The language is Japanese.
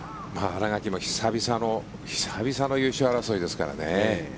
新垣も久々の優勝争いですからね。